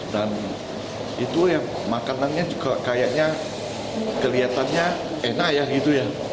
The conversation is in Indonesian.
dan itu ya makanannya kayaknya kelihatannya enak ya gitu ya